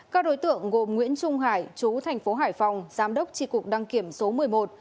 các đối tượng gồm nguyễn trung hải chú thành phố hải phòng giám đốc tri cục đăng kiểm số một mươi một